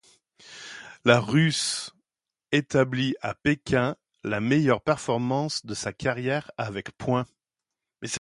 La Russe établit à Pékin la meilleure performance de sa carrière avec points.